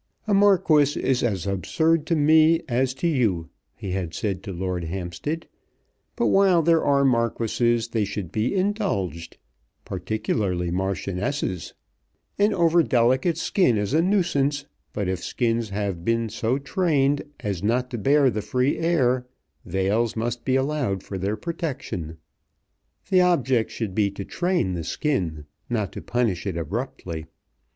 "A Marquis is as absurd to me as to you," he had said to Lord Hampstead, "but while there are Marquises they should be indulged, particularly Marchionesses. An over delicate skin is a nuisance; but if skins have been so trained as not to bear the free air, veils must be allowed for their protection. The object should be to train the skin, not to punish it abruptly.